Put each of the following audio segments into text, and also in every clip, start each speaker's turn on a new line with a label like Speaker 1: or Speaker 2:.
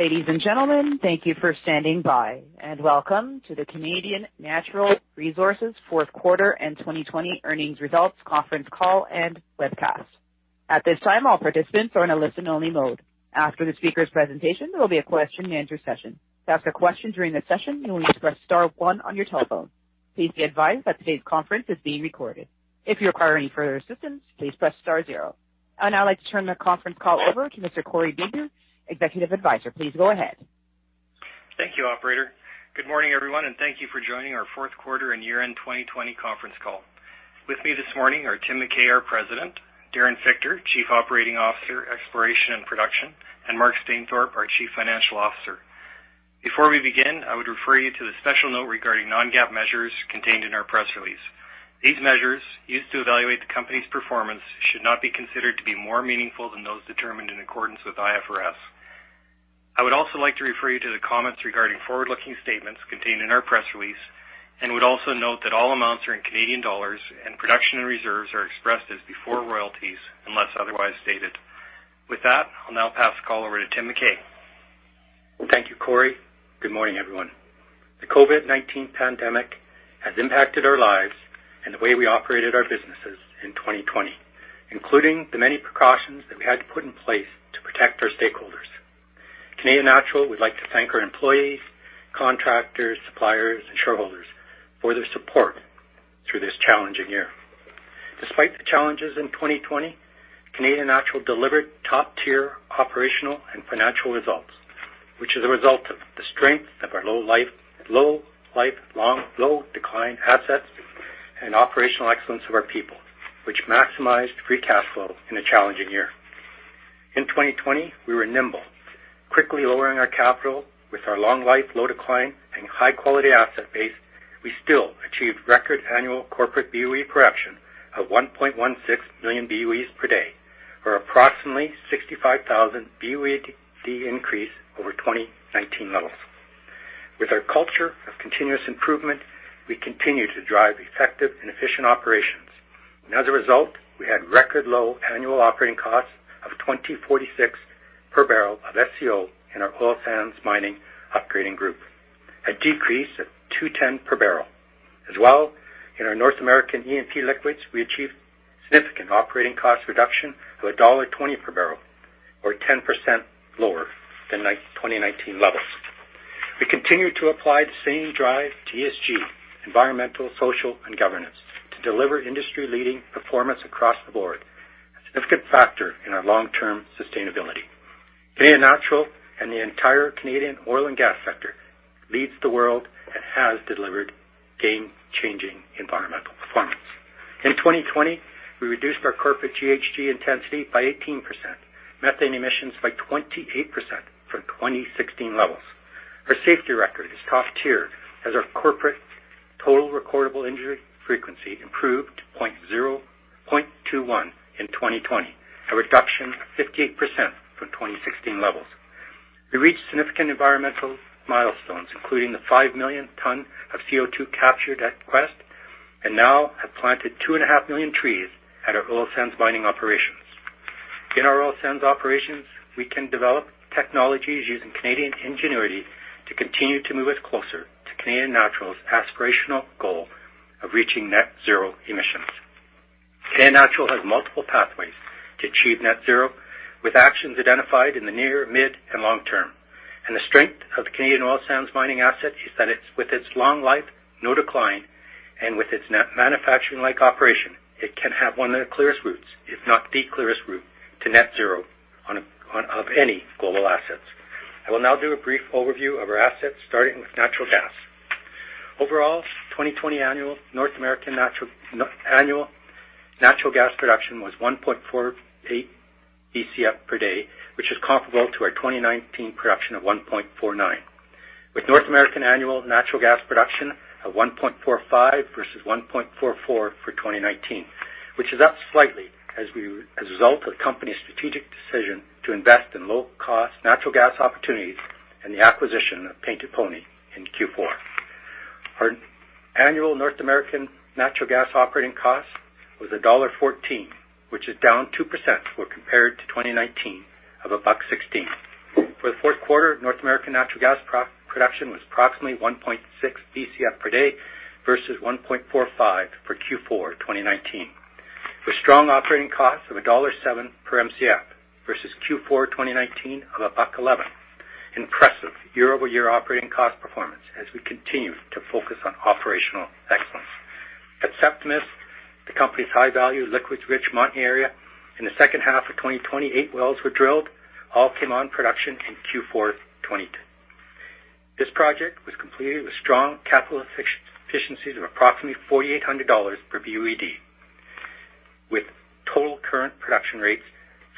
Speaker 1: Ladies and gentlemen, thank you for standing by, and welcome to the Canadian Natural Resources fourth quarter and 2020 earnings results conference call and webcast. At this time, all participants are in a listen-only mode. After the speaker's presentation, there will be a question-and-answer session. To ask a question during the session, you will need to press star one on your telephone. Please be advised that today's conference is being recorded. If you require any further assistance, please press star zero. I'd now like to turn the conference call over to Mr. Corey Bieber, Executive Advisor. Please go ahead.
Speaker 2: Thank you, operator. Good morning, everyone, and thank you for joining our fourth quarter and year-end 2020 conference call. With me this morning are Tim McKay, our President, Darren Fichter, Chief Operating Officer, Exploration and Production, and Mark Stainthorpe, our Chief Financial Officer. Before we begin, I would refer you to the special note regarding non-GAAP measures contained in our press release. These measures, used to evaluate the company's performance, should not be considered to be more meaningful than those determined in accordance with IFRS. I would also like to refer you to the comments regarding forward-looking statements contained in our press release and would also note that all amounts are in Canadian dollars and production and reserves are expressed as before royalties unless otherwise stated. With that, I'll now pass the call over to Tim McKay.
Speaker 3: Thank you, Corey. Good morning, everyone. The COVID-19 pandemic has impacted our lives and the way we operated our businesses in 2020, including the many precautions that we had to put in place to protect our stakeholders. Canadian Natural would like to thank our employees, contractors, suppliers, and shareholders for their support through this challenging year. Despite the challenges in 2020, Canadian Natural delivered top-tier operational and financial results, which is a result of the strength of our low decline assets and operational excellence of our people, which maximized free cash flow in a challenging year. In 2020, we were nimble, quickly lowering our capital. With our long life, low decline, and high-quality asset base, we still achieved record annual corporate BOE production of 1.16 million BOEs per day, or approximately 65,000 BOED increase over 2019 levels. With our culture of continuous improvement, we continue to drive effective and efficient operations. As a result, we had record low annual operating costs of 20.46 per barrel of SCO in our oil sands mining upgrading group, a decrease of 2.10 per barrel. As well, in our North American E&P liquids, we achieved significant operating cost reduction of dollar 1.20 per barrel or 10% lower than 2019 levels. We continue to apply the same drive to ESG, environmental, social, and governance, to deliver industry-leading performance across the board, a significant factor in our long-term sustainability. Canadian Natural and the entire Canadian oil and gas sector leads the world and has delivered game-changing environmental performance. In 2020, we reduced our corporate GHG intensity by 18%, methane emissions by 28% from 2016 levels. Our safety record is top-tier as our corporate total recordable injury frequency improved to 0.21 in 2020, a reduction of 58% from 2016 levels. We reached significant environmental milestones, including the 5 million tons of CO2 captured at Quest, and now have planted 2.5 million trees at our oil sands mining operations. In our oil sands operations, we can develop technologies using Canadian ingenuity to continue to move us closer to Canadian Natural's aspirational goal of reaching net zero emissions. Canadian Natural has multiple pathways to achieve net zero, with actions identified in the near, mid, and long term, and the strength of the Canadian oil sands mining asset is that with its long life, no decline, and with its manufacturing-like operation, it can have one of the clearest routes, if not the clearest route, to net zero of any global assets. I will now do a brief overview of our assets, starting with natural gas. Overall, 2020 annual North American natural gas production was 1.48 Bcf per day, which is comparable to our 2019 production of 1.49, with North American annual natural gas production of 1.45 versus 1.44 for 2019, which is up slightly as a result of the company's strategic decision to invest in low-cost natural gas opportunities and the acquisition of Painted Pony in Q4. Our annual North American natural gas operating cost was dollar 1.14, which is down 2% when compared to 2019 of 1.16. For the fourth quarter, North American natural gas production was approximately 1.6 Bcf per day versus 1.45 for Q4 2019. With strong operating costs of dollar 1.07 per Mcf versus Q4 2019 of 1.11, impressive year-over-year operating cost performance as we continue to focus on operational excellence. At Septimus, the company's high-value, liquids-rich Montney area, in the second half of 2020, eight wells were drilled, all came on production in Q4 2020. This project was completed with strong capital efficiencies of approximately 4,800 dollars per BOED, with total current production rates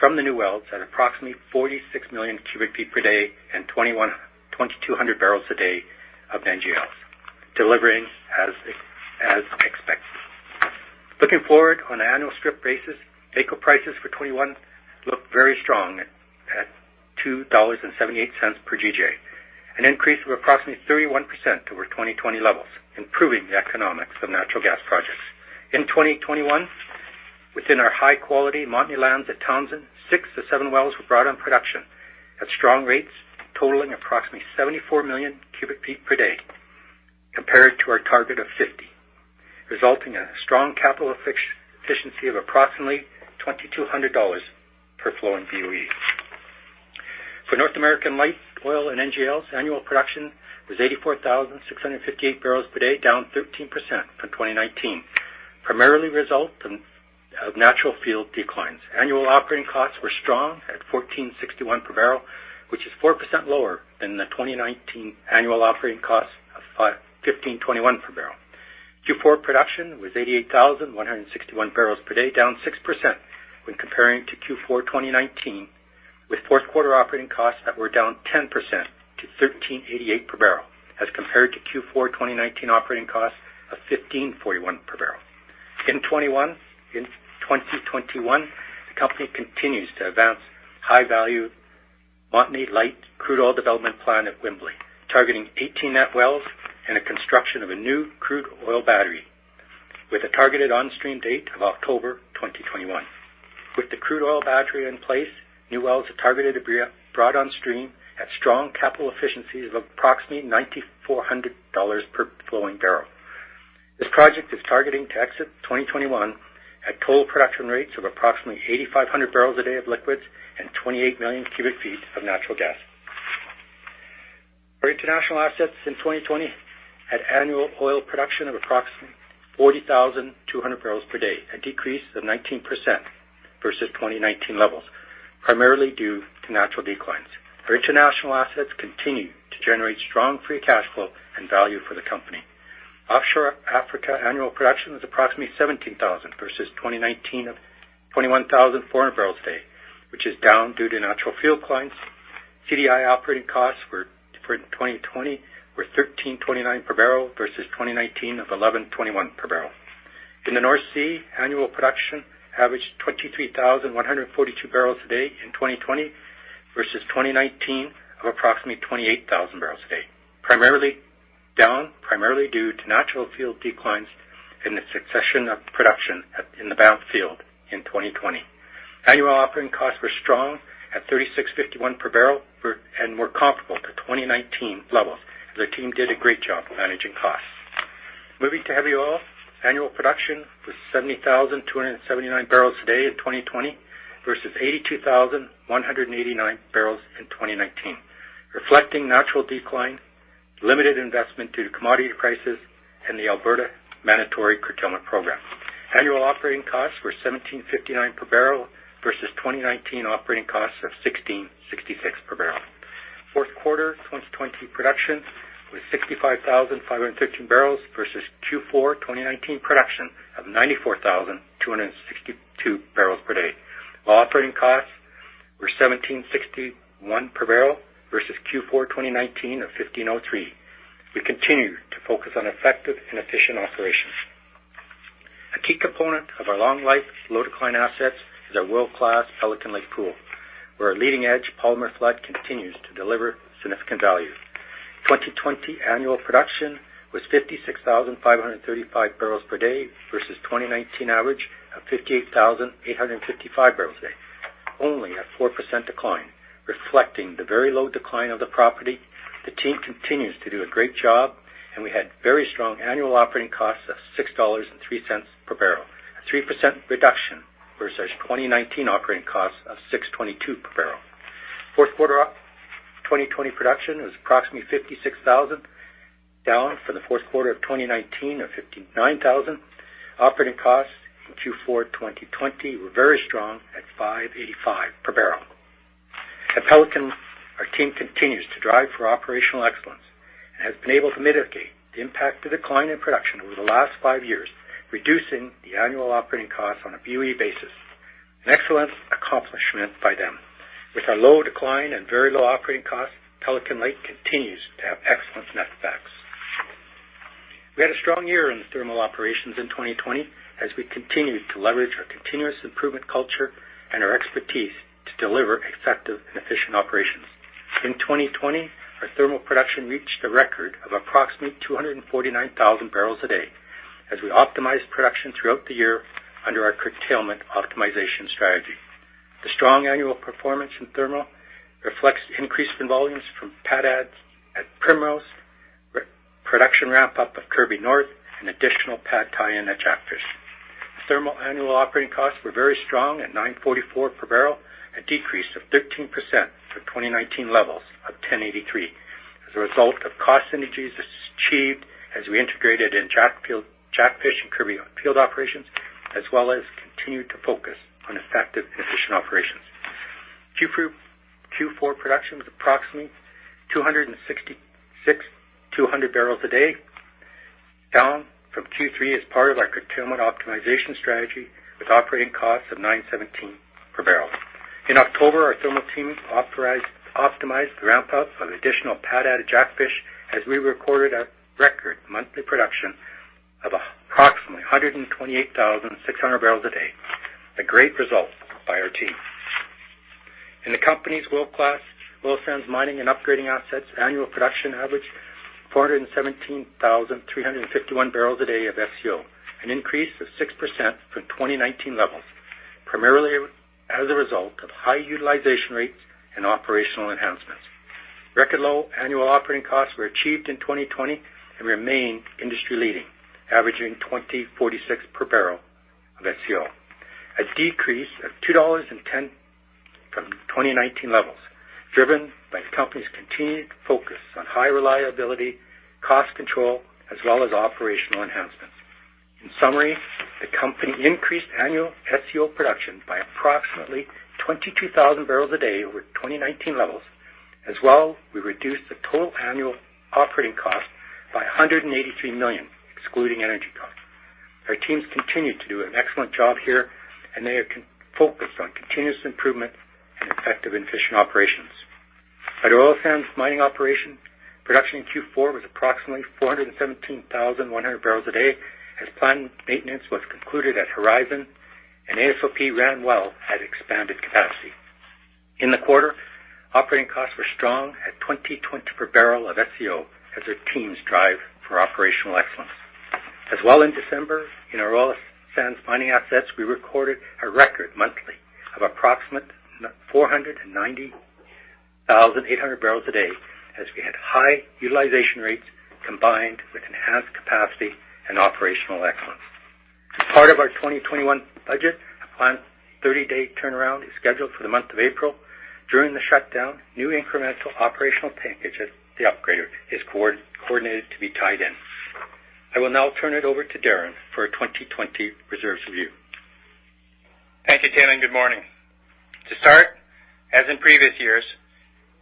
Speaker 3: from the new wells at approximately 46 million cubic feet per day and 2,200 bbl a day of NGLs, delivering as expected. Looking forward, on an annual strip basis, AECO prices for 2021 look very strong at 2.78 dollars per GJ, an increase of approximately 31% over 2020 levels, improving the economics of natural gas projects. In 2021, within our high-quality Montney lands at Townsend, six of seven wells were brought on production at strong rates totaling approximately 74 million cubic feet per day, compared to our target of 50, resulting in a strong capital efficiency of approximately 2,200 dollars per flowing BOE. For North American light oil and NGLs, annual production was 84,658 bbl per day, down 13% from 2019, primarily a result of natural field declines. Annual operating costs were strong at 14.61 per barrel, which is 4% lower than the 2019 annual operating cost of 15.21 per barrel. Q4 production was 88,161 bbl per day, down 6% when comparing to Q4 2019, with fourth quarter operating costs that were down 10% to 13.88 per barrel as compared to Q4 2019 operating costs of 15.41 per barrel. In 2021, the company continues to advance high-value Montney light crude oil development plan at Wembley, targeting 18 net wells and the construction of a new crude oil battery with a targeted on-stream date of October 2021. With the crude oil battery in place, new wells are targeted to be brought onstream at strong capital efficiencies of approximately 9,400 dollars per flowing barrel. This project is targeting to exit 2021 at total production rates of approximately 8,500 bbl a day of liquids and 28 million cubic feet of natural gas. Our international assets in 2020 had annual oil production of approximately 40,200 bbl per day, a decrease of 19% versus 2019 levels, primarily due to natural declines. Our international assets continue to generate strong free cash flow and value for the company. Offshore Africa annual production was approximately 17,000 versus 2019 of 21,400 bbl a day, which is down due to natural field declines. CDI operating costs for 2020 were 13.29 per barrel versus 2019 of 11.21 per barrel. In the North Sea, annual production averaged 23,142 bbl a day in 2020 versus 2019 of approximately 28,000 bbl a day, down primarily due to natural field declines and the cessation of production in the Banff field in 2020. Annual operating costs were strong at 36.51 per barrel and were comparable to 2019 levels. The team did a great job of managing costs. Moving to heavy oil, annual production was 70,279 bbl a day in 2020 versus 82,189 bbl in 2019, reflecting natural decline, limited investment due to commodity prices, and the Alberta mandatory curtailment program. Annual operating costs were CAD 17.59 per barrel versus 2019 operating costs of CAD 16.66 per barrel. Fourth quarter 2020 production was 65,513 bbl versus Q4 2019 production of 94,262 bbl per day, while operating costs were 17.61 per barrel versus Q4 2019 of 15.03. We continue to focus on effective and efficient operations. A key component of our long life, low decline assets is our world-class Pelican Lake pool, where our leading-edge polymer flood continues to deliver significant value. 2020 annual production was 56,535 bbl per day versus 2019 average of 58,855 bbl a day, only a 4% decline, reflecting the very low decline of the property. The team continues to do a great job, and we had very strong annual operating costs of 6.03 dollars per barrel, a 3% reduction versus 2019 operating costs of 6.22 per barrel. Fourth quarter 2020 production was approximately 56,000 bbl a day, down from the fourth quarter of 2019 of 59,000 bbl a day. Operating costs in Q4 2020 were very strong at 5.85 per barrel. At Pelican, our team continues to drive for operational excellence and has been able to mitigate the impact of decline in production over the last five years, reducing the annual operating cost on a BOE basis, an excellent accomplishment by them. With our low decline and very low operating cost, Pelican Lake continues to have excellent netbacks. We had a strong year in the thermal operations in 2020 as we continued to leverage our continuous improvement culture and our expertise to deliver effective and efficient operations. In 2020, our thermal production reached a record of approximately 249,000 bbl a day as we optimized production throughout the year under our curtailment optimization strategy. The strong annual performance in thermal reflects increased volumes from pad adds at Primrose, production ramp-up of Kirby North, and additional pad tie-in at Jackfish. Thermal annual operating costs were very strong at 9.44 per barrel, a decrease of 13% from 2019 levels of 10.83 as a result of cost synergies achieved as we integrated in Jackfish and Kirby field operations, as well as continued to focus on effective and efficient operations. Q4 production was approximately 266,200 bbl a day, down from Q3 as part of our curtailment optimization strategy, with operating costs of 9.17 per barrel. In October, our thermal team optimized the ramp-up of additional pad add at Jackfish as we recorded a record monthly production of approximately 128,600 bbl a day, a great result by our team. In the company's world-class oil sands mining and upgrading assets, annual production averaged 417,351 bbl a day of SCO, an increase of 6% from 2019 levels, primarily as a result of high utilization rates and operational enhancements. Record low annual operating costs were achieved in 2020 and remain industry-leading, averaging 20.46 per barrel of SCO, a decrease of 2.10 dollars from 2019 levels, driven by the company's continued focus on high reliability, cost control, as well as operational enhancements. In summary, the company increased annual SCO production by approximately 22,000 bbl a day over 2019 levels. We reduced the total annual operating cost by 183 million, excluding energy costs. Our teams continue to do an excellent job here, and they are focused on continuous improvement and effective and efficient operations. At our oil sands mining operation, production in Q4 was approximately 417,100 bbl a day as planned maintenance was concluded at Horizon and AOSP ran well at expanded capacity. In the quarter, operating costs were strong at 20.20 per barrel of SCO as our teams drive for operational excellence. As well in December, in our oil sands mining assets, we recorded a record monthly of approximately 490,800 bbl a day as we had high utilization rates combined with enhanced capacity and operational excellence. As part of our 2021 budget, a planned 30-day turnaround is scheduled for the month of April. During the shutdown, new incremental operational packages at the upgrader is coordinated to be tied in. I will now turn it over to Darren for a 2020 reserves review.
Speaker 4: Thank you, Tim, and good morning. To start, as in previous years,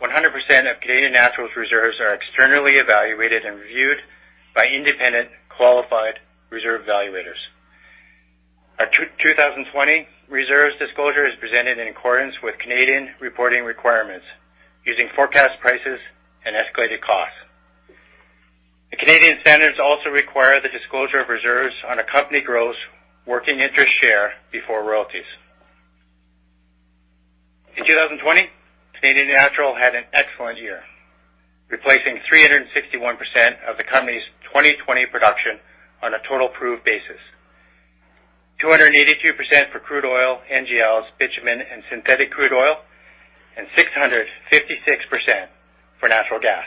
Speaker 4: 100% of Canadian Natural's reserves are externally evaluated and reviewed by independent qualified reserve evaluators. Our 2020 reserves disclosure is presented in accordance with Canadian reporting requirements using forecast prices and escalated costs. The Canadian standards also require the disclosure of reserves on a company gross working interest share before royalties. In 2020, Canadian Natural had an excellent year, replacing 361% of the company's 2020 production on a total proved basis, 282% for crude oil, NGLs, bitumen, and synthetic crude oil, and 656% for natural gas.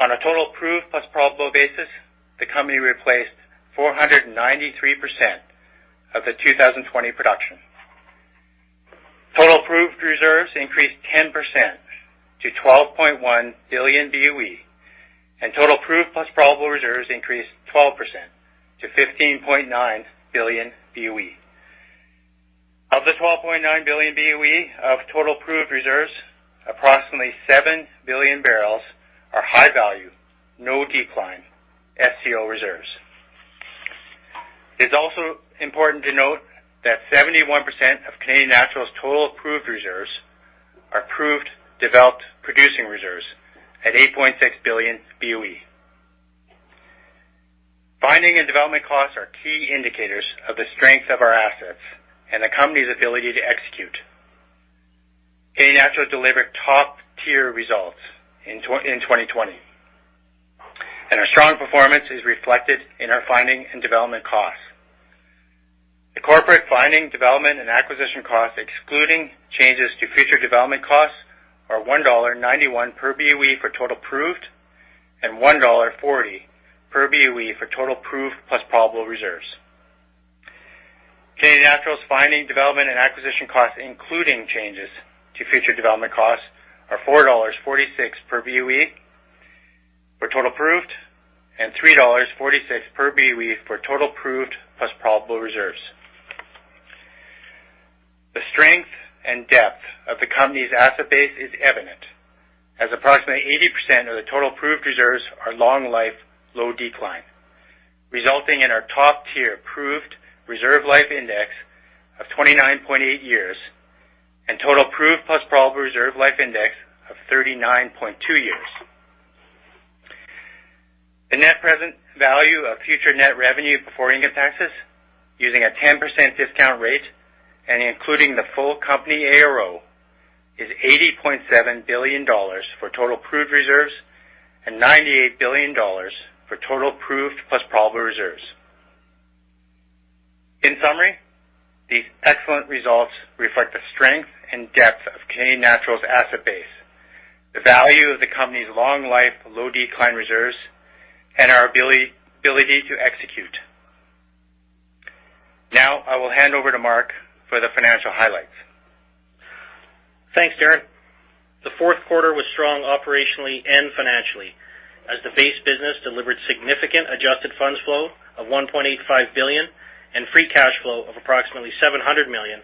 Speaker 4: On a total proved plus probable basis, the company replaced 493% of the 2020 production. Total proved reserves increased 10% to 12.1 billion BOE, and total proved plus probable reserves increased 12% to 15.9 billion BOE. Of the 12.9 billion BOE of total proved reserves, approximately 7 billion barrels are high value, no decline SCO reserves. It's also important to note that 71% of Canadian Natural's total proved reserves are proved, developed, producing reserves at 8.6 billion BOE. Finding and development costs are key indicators of the strength of our assets and the company's ability to execute. Canadian Natural delivered top-tier results in 2020. Our strong performance is reflected in our finding and development costs. The corporate finding, development, and acquisition costs, excluding changes to future development costs, are 1.91 dollar per BOE for total proved and 1.40 dollar per BOE for total proved plus probable reserves. Canadian Natural's finding, development, and acquisition costs, including changes to future development costs, are 4.46 dollars per BOE for total proved and 3.46 dollars per BOE for total proved plus probable reserves. The strength and depth of the company's asset base is evident, as approximately 80% of the total proved reserves are long life, low decline, resulting in our top-tier proved reserve life index of 29.8 years and total proved plus probable reserve life index of 39.2 years. The net present value of future net revenue before income taxes, using a 10% discount rate and including the full company ARO, is 80.7 billion dollars for total proved reserves and 98 billion dollars for total proved plus probable reserves. In summary, these excellent results reflect the strength and depth of Canadian Natural's asset base, the value of the company's long life, low decline reserves, and our ability to execute. Now, I will hand over to Mark for the financial highlights.
Speaker 5: Thanks, Darren. The fourth quarter was strong operationally and financially as the base business delivered significant adjusted funds flow of 1.85 billion and free cash flow of approximately 700 million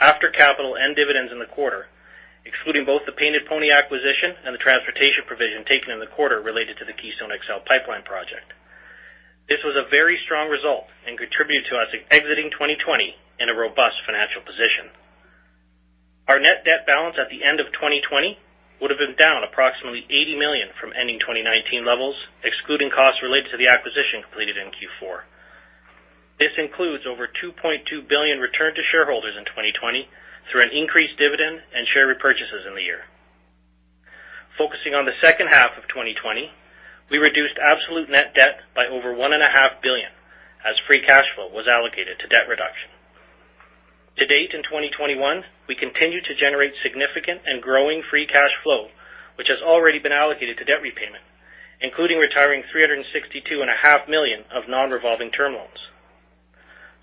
Speaker 5: after capital and dividends in the quarter, excluding both the Painted Pony acquisition and the transportation provision taken in the quarter related to the Keystone XL pipeline project. This was a very strong result and contributed to us exiting 2020 in a robust financial position. Our net debt balance at the end of 2020 would've been down approximately 80 million from ending 2019 levels, excluding costs related to the acquisition completed in Q4. This includes over 2.2 billion returned to shareholders in 2020 through an increased dividend and share repurchases in the year. Focusing on the second half of 2020, we reduced absolute net debt by over 1.5 billion as free cash flow was allocated to debt reduction. To date in 2021, we continue to generate significant and growing free cash flow, which has already been allocated to debt repayment, including retiring 362.5 million of non-revolving term loans.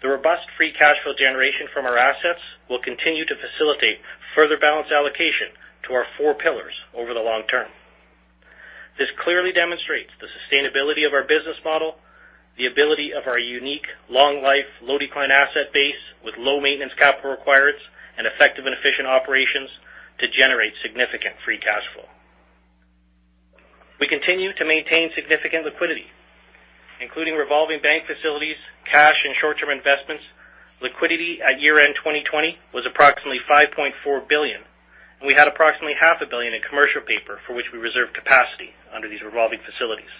Speaker 5: The robust free cash flow generation from our assets will continue to facilitate further balance allocation to our four pillars over the long term. This clearly demonstrates the sustainability of our business model, the ability of our unique long-life, low-decline asset base with low maintenance capital requirements, and effective and efficient operations to generate significant free cash flow. We continue to maintain significant liquidity, including revolving bank facilities, cash, and short-term investments. Liquidity at year-end 2020 was approximately 5.4 billion, and we had approximately 500 million in commercial paper for which we reserved capacity under these revolving facilities.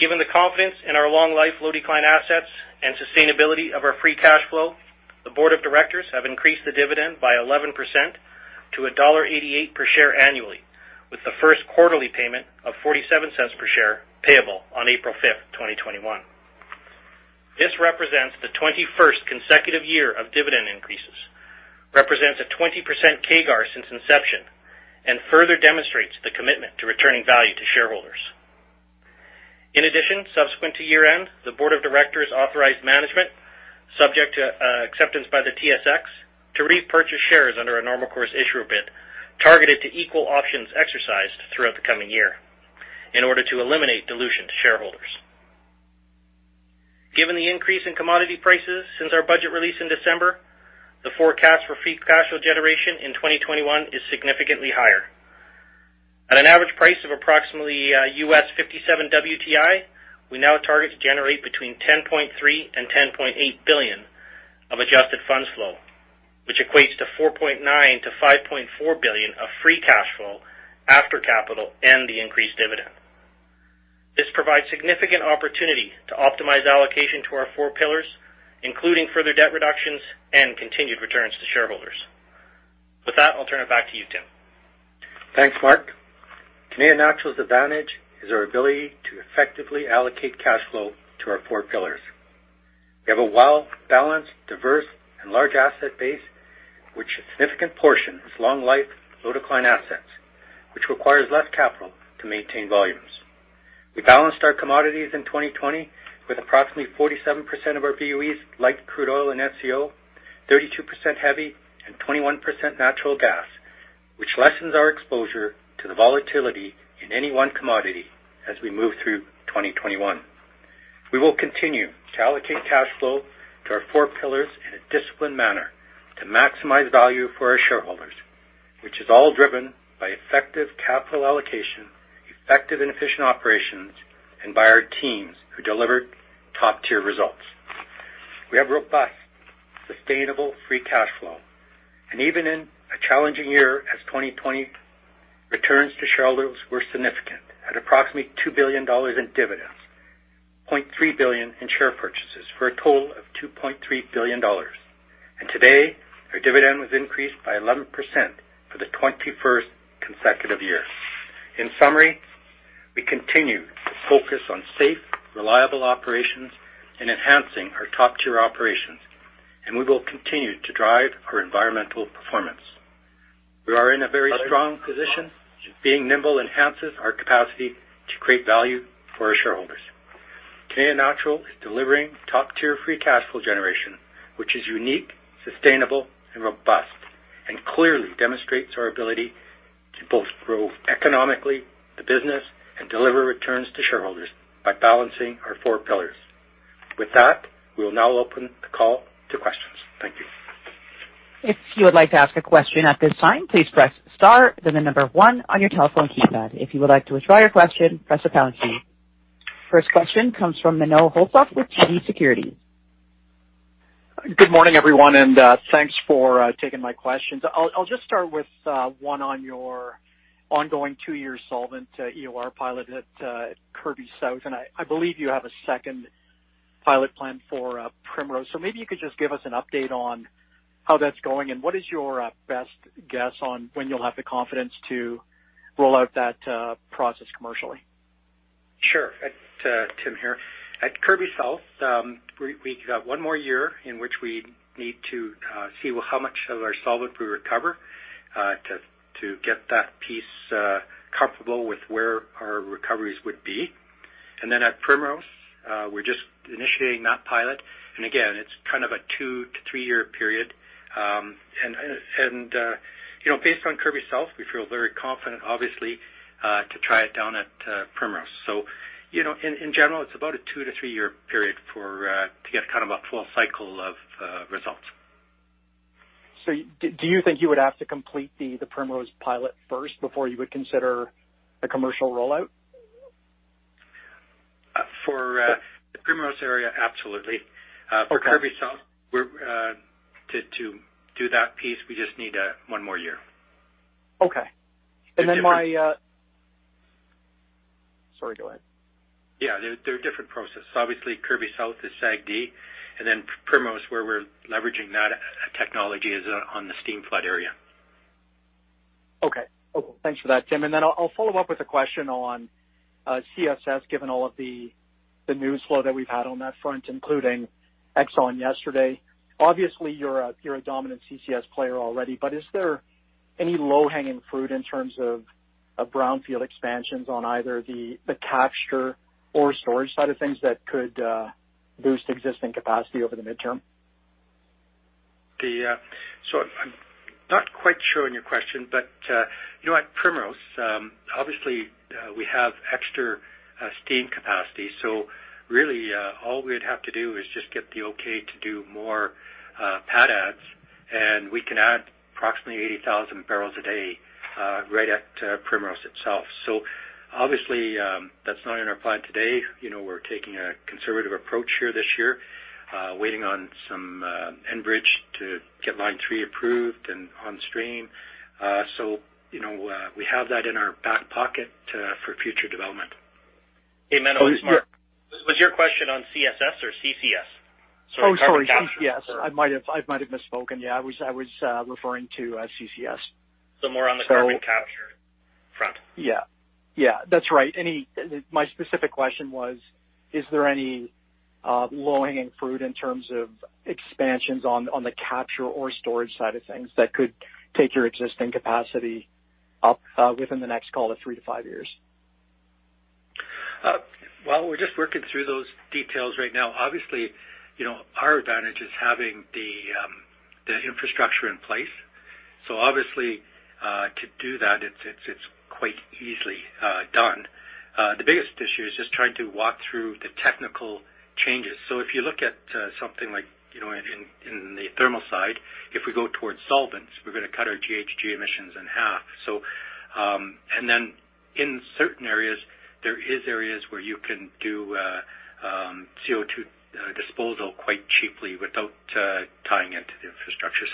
Speaker 5: Given the confidence in our long-life, low-decline assets and sustainability of our free cash flow, the board of directors have increased the dividend by 11% to dollar 1.88 per share annually, with the first quarterly payment of 0.47 per share payable on April 5th, 2021. This represents the 21st consecutive year of dividend increases, represents a 20% CAGR since inception, and further demonstrates the commitment to returning value to shareholders. In addition, subsequent to year-end, the board of directors authorized management, subject to acceptance by the TSX, to repurchase shares under a normal course issuer bid targeted to equal options exercised throughout the coming year in order to eliminate dilution to shareholders. Given the increase in commodity prices since our budget release in December, the forecast for free cash flow generation in 2021 is significantly higher. At an average price of approximately $57 WTI, we now target to generate between 10.3 billion and 10.8 billion of adjusted funds flow, which equates to 4.9 billion-5.4 billion of free cash flow after capital and the increased dividend. This provides significant opportunity to optimize allocation to our four pillars, including further debt reductions and continued returns to shareholders. With that, I'll turn it back to you, Tim.
Speaker 3: Thanks, Mark. Canadian Natural's advantage is our ability to effectively allocate cash flow to our four pillars. We have a well-balanced, diverse, and large asset base, which a significant portion is long life, low decline assets, which requires less capital to maintain volumes. We balanced our commodities in 2020 with approximately 47% of our BOEs, light crude oil and SCO, 32% heavy, and 21% natural gas, which lessens our exposure to the volatility in any one commodity as we move through 2021. We will continue to allocate cash flow to our four pillars in a disciplined manner to maximize value for our shareholders, which is all driven by effective capital allocation, effective and efficient operations, and by our teams who delivered top-tier results. We have robust, sustainable free cash flow. Even in a challenging year as 2020, returns to shareholders were significant at approximately 2 billion dollars in dividends, 0.3 billion in share purchases for a total of 2.3 billion dollars. Today, our dividend was increased by 11% for the 21st consecutive year. In summary, we continue to focus on safe, reliable operations and enhancing our top-tier operations. We will continue to drive our environmental performance. We are in a very strong position. Being nimble enhances our capacity to create value for our shareholders. Canadian Natural is delivering top-tier free cash flow generation, which is unique, sustainable and robust. Clearly demonstrates our ability to both grow economically the business and deliver returns to shareholders by balancing our four pillars. With that, we will now open the call to questions. Thank you.
Speaker 1: If you would like to ask a question at this time, please press star then number one on your telephone keypad. If you'd like to withdraw your question, press the pound key. First question comes from Menno Hulshof with TD Securities.
Speaker 6: Good morning, everyone. Thanks for taking my questions. I'll just start with one on your ongoing two-year solvent EOR pilot at Kirby South. I believe you have a second pilot plan for Primrose. Maybe you could just give us an update on how that's going, and what is your best guess on when you'll have the confidence to roll out that process commercially?
Speaker 3: Sure. Tim here. At Kirby South, we've got one more year in which we need to see how much of our solvent we recover to get that piece comfortable with where our recoveries would be. At Primrose, we're just initiating that pilot. Again, it's kind of a two to three-year period. Based on Kirby South, we feel very confident, obviously, to try it down at Primrose. In general, it's about a two to three-year period to get kind of a full cycle of results.
Speaker 6: Do you think you would have to complete the Primrose pilot first before you would consider a commercial rollout?
Speaker 3: For the Primrose area, absolutely.
Speaker 6: Okay.
Speaker 3: For Kirby South, to do that piece, we just need one more year.
Speaker 6: Okay. My Sorry, go ahead.
Speaker 3: Yeah. They're different processes. Obviously, Kirby South is SAGD, and then Primrose, where we're leveraging that technology, is on the steam flood area.
Speaker 6: Okay. Thanks for that, Tim. I'll follow up with a question on CCS, given all of the news flow that we've had on that front, including Exxon yesterday. Obviously, you're a dominant CCS player already, but is there any low-hanging fruit in terms of brownfield expansions on either the capture or storage side of things that could boost existing capacity over the midterm?
Speaker 3: I'm not quite sure on your question, but at Primrose, obviously, we have extra steam capacity, really, all we'd have to do is just get the okay to do more pad adds, and we can add approximately 80,000 bbl a day right at Primrose itself. Obviously, that's not in our plan today. We're taking a conservative approach here this year, waiting on some Enbridge to get Line 3 approved and on stream. We have that in our back pocket for future development.
Speaker 5: Hey, Menno. It's Mark. Was your question on CCS or CCS?
Speaker 6: Oh, sorry. CCS. I might have misspoken. Yeah, I was referring to CCS.
Speaker 5: more on the carbon capture front.
Speaker 6: Yeah. That's right. My specific question was, is there any low-hanging fruit in terms of expansions on the capture or storage side of things that could take your existing capacity up within the next, call it, three to five years?
Speaker 3: Well, we're just working through those details right now. Obviously, our advantage is having the infrastructure in place. Obviously, to do that, it's quite easily done. The biggest issue is just trying to walk through the technical changes. If you look at something like in the thermal side, if we go towards solvents, we're going to cut our GHG emissions in half. In certain areas, there is areas where you can do CO2 disposal quite cheaply without tying into the infrastructure.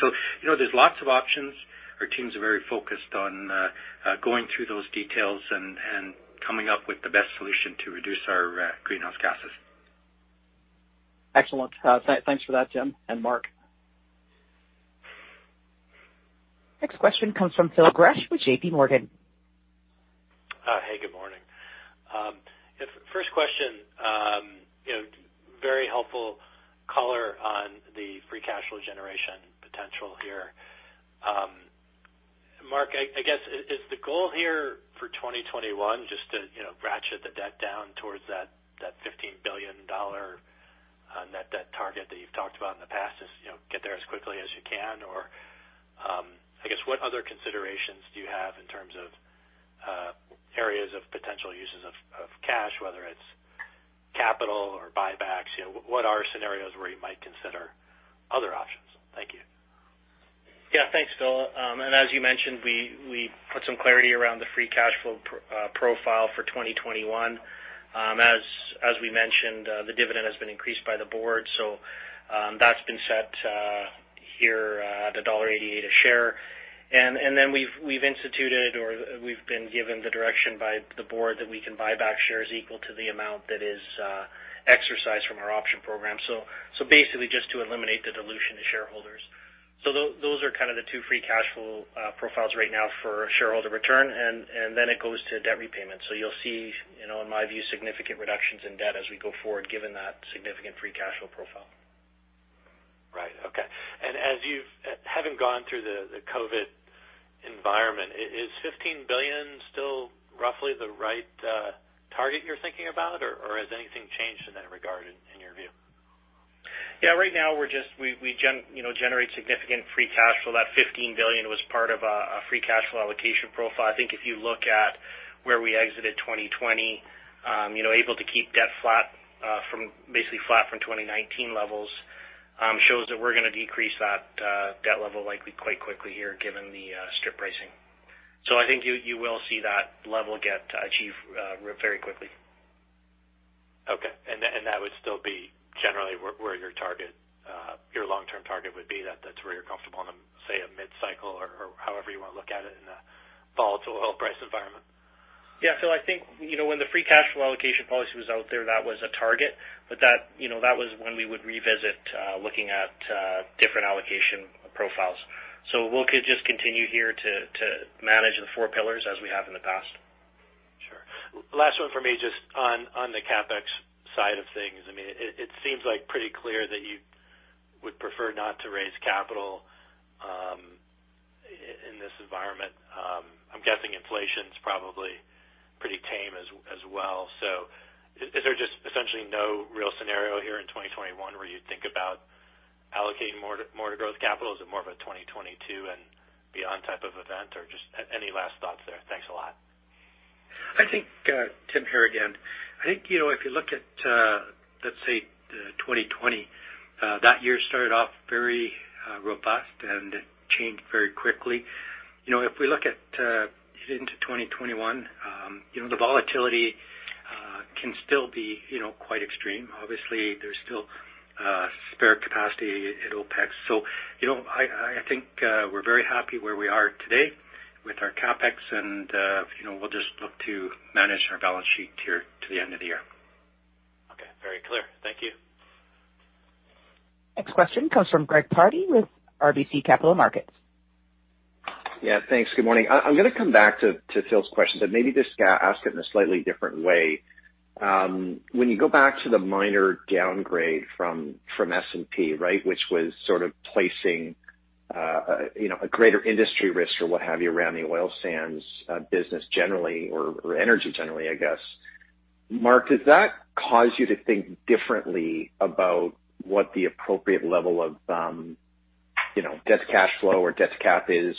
Speaker 3: There's lots of options. Our teams are very focused on going through those details and coming up with the best solution to reduce our greenhouse gases.
Speaker 6: Excellent. Thanks for that, Tim and Mark.
Speaker 1: Next question comes from Phil Gresh with JPMorgan.
Speaker 7: Hey, good morning. First question. Very helpful color on the free cash flow generation potential here. Mark, I guess is the goal here for 2021 just to ratchet the debt down towards that 15 billion dollar net debt target that you've talked about in the past, is get there as quickly as you can? I guess what other considerations do you have in terms of areas of potential uses of cash, whether it's capital or buybacks? What are scenarios where you might consider other options? Thank you.
Speaker 5: Yeah, thanks, Phil. As you mentioned, we put some clarity around the free cash flow profile for 2021. As we mentioned, the dividend has been increased by the board, that's been set here at CAD 1.88 a share. We've instituted, or we've been given the direction by the board that we can buy back shares equal to the amount that is exercised from our option program. Basically, just to eliminate the dilution to shareholders. Those are kind of the two free cash flow profiles right now for shareholder return, it goes to debt repayment. You'll see, in my view, significant reductions in debt as we go forward, given that significant free cash flow profile.
Speaker 7: Right. Okay. As you having gone through the COVID environment, is 15 billion still roughly the right target you're thinking about, or has anything changed in that regard, in your view?
Speaker 5: Yeah, right now we generate significant free cash flow. That 15 billion was part of a free cash flow allocation profile. I think if you look at where we exited 2020, able to keep debt basically flat from 2019 levels shows that we're going to decrease that debt level likely quite quickly here, given the strip pricing. I think you will see that level get achieved very quickly.
Speaker 7: Okay. That would still be generally where your long-term target would be? That's where you're comfortable in, say, a mid-cycle or however you want to look at it in a volatile oil price environment?
Speaker 5: Phil, I think when the free cash flow allocation policy was out there, that was a target, but that was when we would revisit looking at different allocation profiles. We'll just continue here to manage the four pillars as we have in the past.
Speaker 7: Sure. Last one for me, just on the CapEx side of things. It seems pretty clear that you would prefer not to raise capital in this environment. I'm guessing inflation's probably pretty tame as well. Is there just essentially no real scenario here in 2021 where you'd think about allocating more to growth capital? Is it more of a 2022 and beyond type of event? Or just any last thoughts there? Thanks a lot.
Speaker 3: Tim here again. I think if you look at, let's say, 2020, that year started off very robust and it changed very quickly. If we look into 2021, the volatility can still be quite extreme. Obviously, there's still spare capacity at OPEC. I think we're very happy where we are today with our CapEx and we'll just look to manage our balance sheet here to the end of the year.
Speaker 7: Okay. Very clear. Thank you.
Speaker 1: Next question comes from Greg Pardy with RBC Capital Markets.
Speaker 8: Yeah, thanks. Good morning. I'm going to come back to Phil's question. Maybe just ask it in a slightly different way. When you go back to the minor downgrade from S&P, right? Which was sort of placing a greater industry risk or what have you around the oil sands business generally or energy generally, I guess. Mark, does that cause you to think differently about what the appropriate level of debt cash flow or debt to cap is?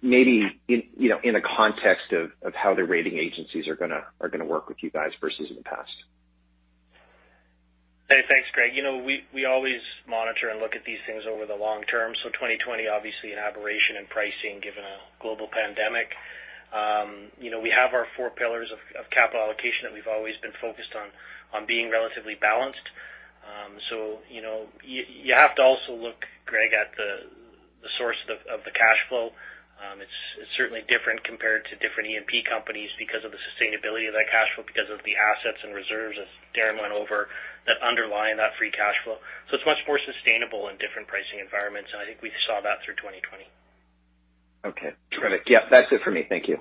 Speaker 8: Maybe in a context of how the rating agencies are going to work with you guys versus in the past.
Speaker 5: Hey, thanks, Greg. We always monitor and look at these things over the long term. 2020, obviously an aberration in pricing given a global pandemic. We have our four pillars of capital allocation that we've always been focused on being relatively balanced. You have to also look, Greg, at the source of the cash flow. It's certainly different compared to different E&P companies because of the sustainability of that cash flow, because of the assets and reserves, as Darren went over, that underlie that free cash flow. It's much more sustainable in different pricing environments, and I think we saw that through 2020.
Speaker 8: Okay, terrific. Yep, that's it for me. Thank you.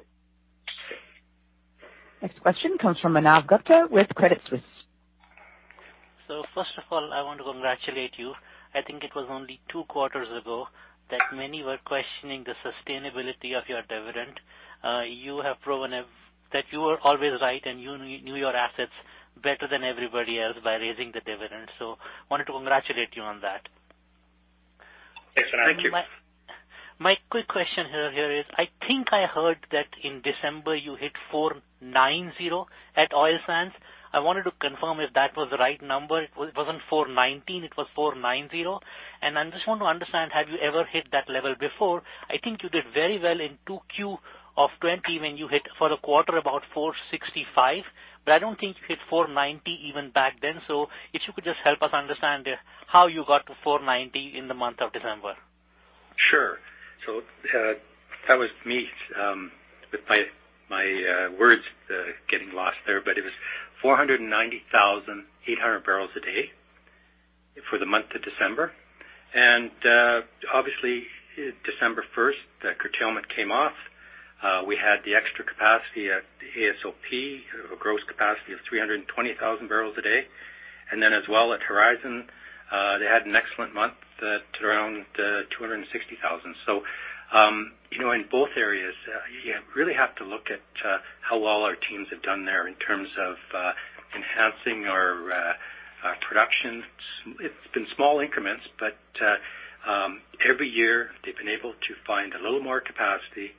Speaker 1: Next question comes from Manav Gupta with Credit Suisse.
Speaker 9: First of all, I want to congratulate you. I think it was only two quarters ago that many were questioning the sustainability of your dividend. You have proven that you were always right, and you knew your assets better than everybody else by raising the dividend. I wanted to congratulate you on that.
Speaker 3: Thanks, Manav.
Speaker 9: My quick question here is, I think I heard that in December you hit 490 at Oil Sands. I wanted to confirm if that was the right number. It wasn't 419, it was 490. I just want to understand, have you ever hit that level before? I think you did very well in 2Q of 2020 when you hit for a quarter about 465, but I don't think you hit 490 even back then. If you could just help us understand how you got to 490 in the month of December.
Speaker 3: Sure. That was me with my words getting lost there, but it was 490,800 bbl a day for the month of December. Obviously December 1st, the curtailment came off. We had the extra capacity at AOSP, a gross capacity of 320,000 bbl a day. As well at Horizon, they had an excellent month at around 260,000bbl a day. In both areas, you really have to look at how well our teams have done there in terms of enhancing our production. It's been small increments, but every year they've been able to find a little more capacity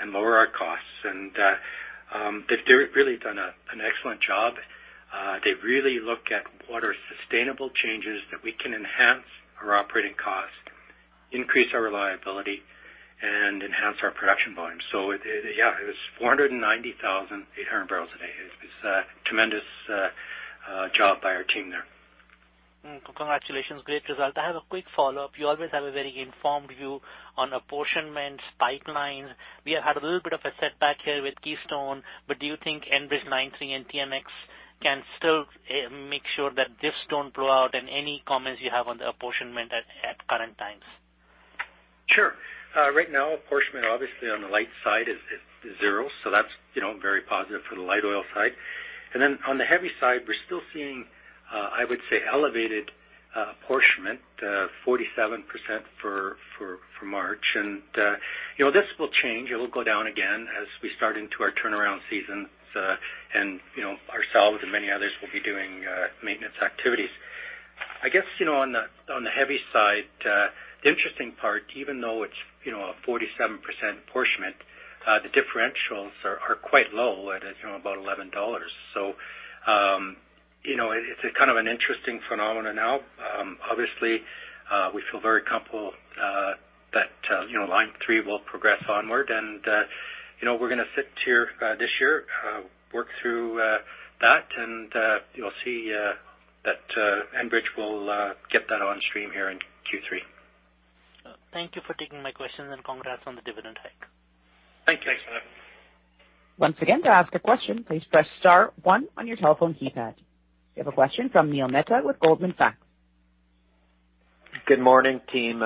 Speaker 3: and lower our costs. They've really done an excellent job. They really look at what are sustainable changes that we can enhance our operating cost, increase our reliability, and enhance our production volume. Yeah, it was 490,800 bbl a day. It was a tremendous job by our team there.
Speaker 9: Congratulations. Great result. I have a quick follow-up. You always have a very informed view on apportionments, pipelines. We have had a little bit of a setback here with Keystone, but do you think Enbridge Line 3 and TMX can still make sure that this don't blow out and any comments you have on the apportionment at current times?
Speaker 3: Sure. That's very positive for the light oil side. On the heavy side, we're still seeing, I would say, elevated apportionment, 47% for March. This will change. It'll go down again as we start into our turnaround seasons. Ourselves and many others will be doing maintenance activities. I guess, on the heavy side, the interesting part, even though it's a 47% apportionment, the differentials are quite low at about 11 dollars. It's a kind of an interesting phenomenon now. Obviously, we feel very comfortable that line three will progress onward, and we're going to sit here this year, work through that, and you'll see that Enbridge will get that on stream here in Q3.
Speaker 9: Thank you for taking my questions and congrats on the dividend hike.
Speaker 3: Thanks.
Speaker 5: Thanks, Manav.
Speaker 1: Once again, to ask a question, please press star one on your telephone keypad. We have a question from Neil Mehta with Goldman Sachs.
Speaker 10: Good morning, team.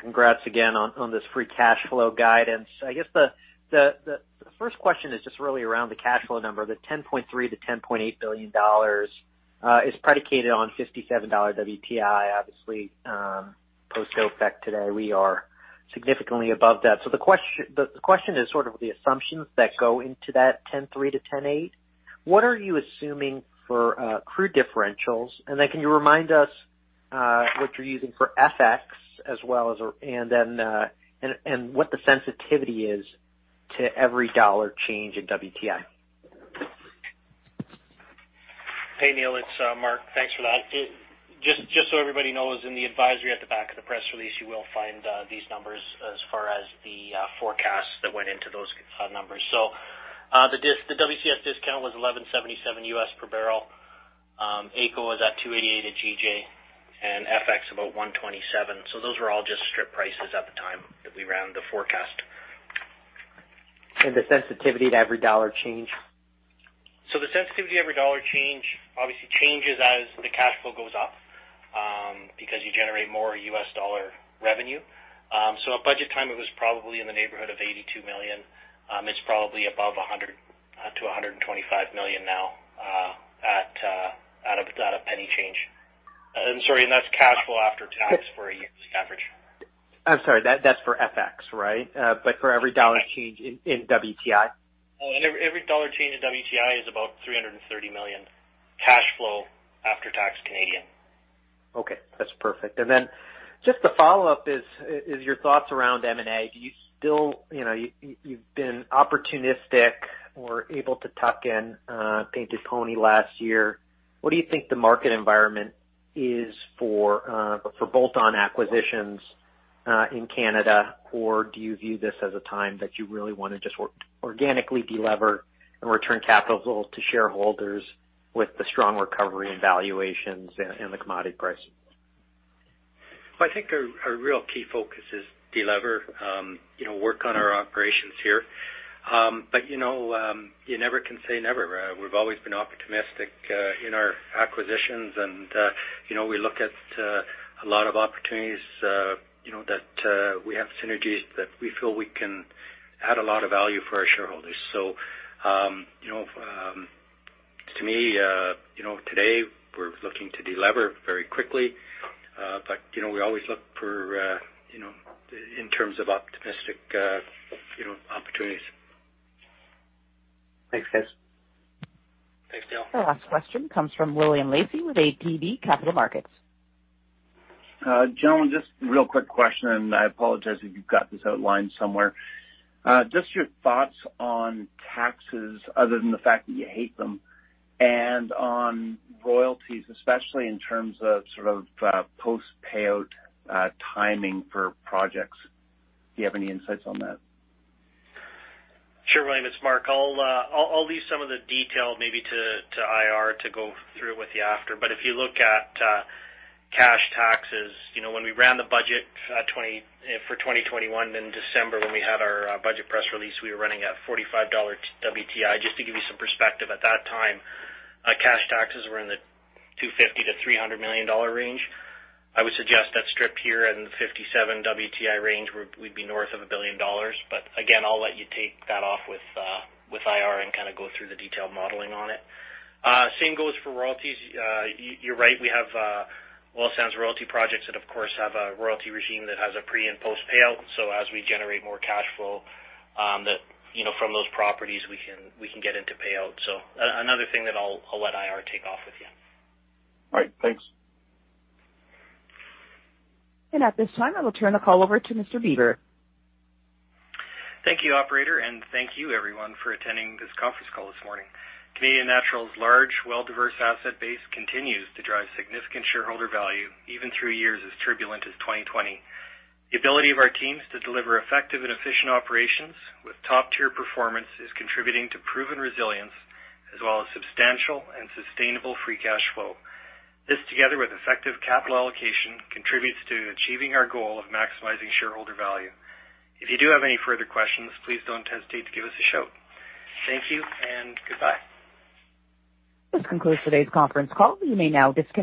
Speaker 10: Congrats again on this free cash flow guidance. I guess the first question is just really around the cash flow number. The 10.3 billion-10.8 billion dollars is predicated on $57 WTI. Obviously, post-OPEC today, we are significantly above that. The question is sort of the assumptions that go into that 10.3 billion-10.8 billion. What are you assuming for crude differentials? Then can you remind us what you're using for FX as well as what the sensitivity is to every dollar change in WTI?
Speaker 5: Hey, Neil, it's Mark. Thanks for the update. Just so everybody knows, in the advisory at the back of the press release, you will find these numbers as far as the forecasts that went into those numbers. The WCS discount was $11.77 per barrel. AECO was at 2.88 at GJ, and FX about 1.27. Those were all just strip prices at the time that we ran the forecast.
Speaker 10: The sensitivity to every Canadian dollar change?
Speaker 5: The sensitivity to every dollar change obviously changes as the cash flow goes up, because you generate more U.S. dollar revenue. At budget time, it was probably in the neighborhood of 82 million. It's probably above 100 million-125 million now at a CAD 0.01 change. Sorry, that's cash flow after tax for a yearly average.
Speaker 10: I'm sorry, that's for FX, right? For every dollar change in WTI?
Speaker 5: Every $1 change in WTI is about 330 million cash flow after tax.
Speaker 10: Okay, that's perfect. Just the follow-up is your thoughts around M&A. You've been opportunistic or able to tuck in Painted Pony last year. What do you think the market environment is for bolt-on acquisitions in Canada? Do you view this as a time that you really want to just organically de-lever and return capital to shareholders with the strong recovery in valuations and the commodity pricing?
Speaker 3: Well, I think our real key focus is de-lever, work on our operations here. You never can say never. We've always been opportunistic in our acquisitions, and we look at a lot of opportunities that we have synergies that we feel we can add a lot of value for our shareholders. To me, today we're looking to de-lever very quickly. We always look in terms of opportunistic opportunities.
Speaker 10: Thanks, guys.
Speaker 5: Thanks, Neil.
Speaker 1: Our last question comes from William Lacey with ATB Capital Markets.
Speaker 11: ust a real quick question, and I apologize if you've got this outlined somewhere. Just your thoughts on taxes other than the fact that you hate them and on royalties, especially in terms of sort of post-payout timing for projects. Do you have any insights on that?
Speaker 5: Sure, William. It's Mark. I'll leave some of the detail maybe to IR to go through with you after. If you look at cash taxes, when we ran the budget for 2021, December when we had our budget press release, we were running at 45 dollar WTI. Just to give you some perspective, at that time, cash taxes were in the 250 million-300 million dollar range. I would suggest that strip here in the 57 WTI range, we'd be north of 1 billion dollars. Again, I'll let you take that off with IR and kind of go through the detailed modeling on it. Same goes for royalties. You're right, we have oil sands royalty projects that of course have a royalty regime that has a pre and post payout. As we generate more cash flow from those properties, we can get into payout. another thing that I'll let IR take off with you.
Speaker 11: All right, thanks.
Speaker 1: At this time, I will turn the call over to Mr. Bieber.
Speaker 2: Thank you, operator, and thank you everyone for attending this conference call this morning. Canadian Natural's large, well-diverse asset base continues to drive significant shareholder value, even through years as turbulent as 2020. The ability of our teams to deliver effective and efficient operations with top-tier performance is contributing to proven resilience as well as substantial and sustainable free cash flow. This, together with effective capital allocation, contributes to achieving our goal of maximizing shareholder value. If you do have any further questions, please don't hesitate to give us a shout. Thank you and goodbye.
Speaker 1: This concludes today's conference call. You may now disconnect.